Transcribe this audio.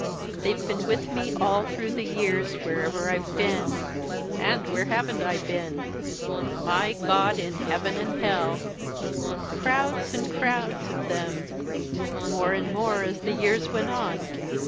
They've been with me all through the years, wherever I've been and where haven't I been? My God in heaven and hell! crowds and crowds of them, more and more as the years went on.